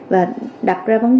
và đặt ra vấn đề